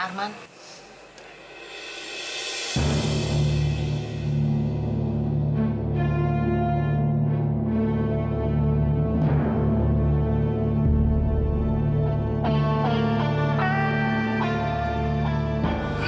makasih pak arman